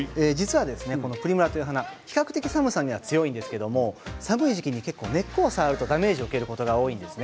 プリムラは寒さには比較的、強いんですが寒い時期に根っこを触るとダメージを受けることが多いんです。